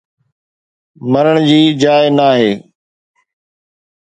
مرڻ جي جاءِ ناهي